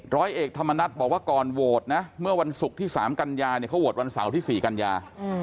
ร้อยเอกธรรมนัฏบอกว่าก่อนโหวตนะเมื่อวันศุกร์ที่๓กันยาเนี่ยเขาโหวตวันเสาร์ที่๔กันยา